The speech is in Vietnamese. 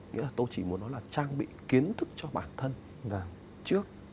nghĩa là tôi chỉ muốn nói là trang bị kiến thức cho bản thân vào trước